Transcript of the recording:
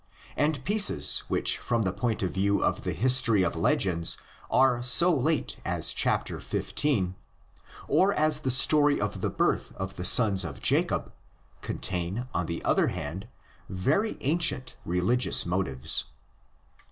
And pieces which from the point of view of the history of legends are so late as chapter 15, or as the story of the birth of the sons of Jacob, contain, on the other hand, very ancient religious motives.